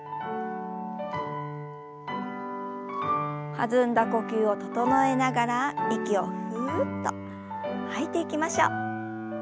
弾んだ呼吸を整えながら息をふっと吐いていきましょう。